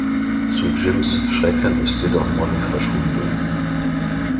Zu Jims Schrecken ist jedoch Molly verschwunden.